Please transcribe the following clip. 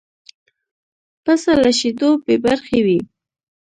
پسه له شیدو بې برخې وي.